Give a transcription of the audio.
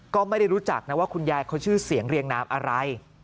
ก็ไม่ได้รู้จักนะว่าคุณยายเขาชื่อเสียงเรียงนามอะไร